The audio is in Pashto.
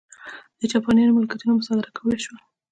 د جاپانیانو ملکیتونه یې مصادره کولای شول.